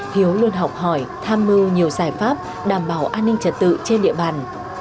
hiếu luôn học hỏi tham mưu nhiều giải pháp đảm bảo an ninh trật tự trên địa bàn